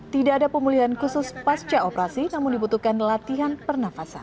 tidak ada pemulihan khusus pasca operasi namun dibutuhkan latihan pernafasan